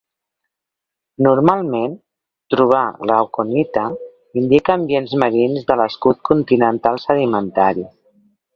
Normalment trobar glauconita indica ambients marins de l'escut continental sedimentaris.